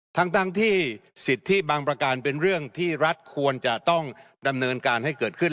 ทั้งที่สิทธิบางประการเป็นเรื่องที่รัฐควรจะต้องดำเนินการให้เกิดขึ้น